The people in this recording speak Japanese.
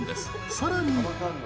さらに。